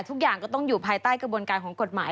ทุกอย่างก็ต้องอยู่ภายใต้กระบวนการของกฎหมาย